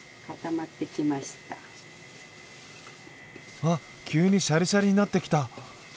うわっ急にシャリシャリになってきた！